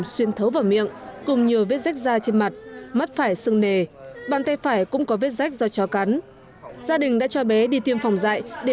sương nề bàn tay phải cũng có vết rách do chó cắn gia đình đã cho bé đi tiêm phòng dạy để